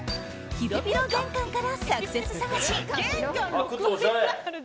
広々玄関から、サクセス探し。